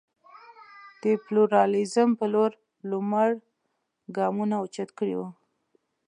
د پلورالېزم په لور لومړ ګامونه اوچت کړي وو.